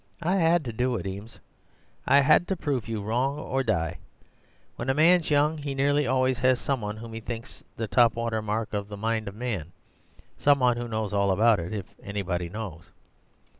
'I had to do it, Eames; I had to prove you wrong or die. When a man's young, he nearly always has some one whom he thinks the top water mark of the mind of man— some one who knows all about it, if anybody knows.